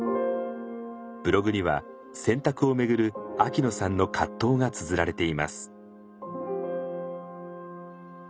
ブログには選択をめぐる秋野さんの葛藤がつづられています。